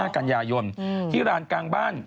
กันยายนที่ร้านกลางบ้าน